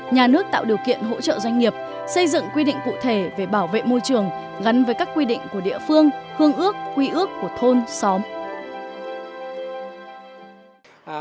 nhà nước tạo điều kiện hỗ trợ doanh nghiệp xây dựng quy định cụ thể về bảo vệ môi trường gắn với các quy định của địa phương hương ước quy ước của thôn xóm